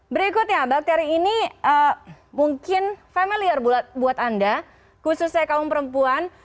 berikutnya bakteri ini mungkin familiar buat anda khususnya kaum perempuan